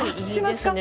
しますか？